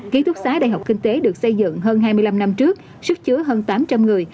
ký túc xá đại học kinh tế được xây dựng hơn hai mươi năm năm trước sức chứa hơn tám trăm linh người